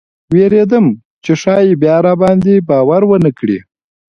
ویرېدم چې ښایي بیا راباندې باور ونه کړي.